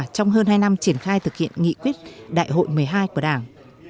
trong hơn hai năm triển khai thực hiện nghị quyết đại hội một mươi hai của đảng